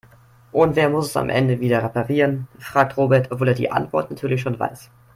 Und wer muss es am Ende wieder reparieren?, fragt Robert, obwohl er die Antwort natürlich schon weiß.